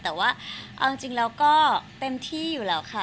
แต่ว่าเอาจริงแล้วก็เต็มที่อยู่แล้วค่ะ